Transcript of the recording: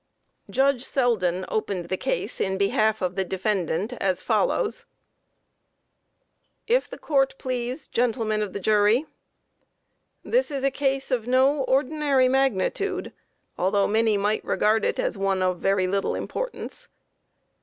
_ JUDGE SELDEN opened the case in behalf of the defendant, as follows: If the Court please, Gentlemen of the Jury: This is a case of no ordinary magnitude, although many might regard it as one of very little importance.